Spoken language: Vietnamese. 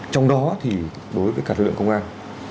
trong đó thì đối với cả lượng công an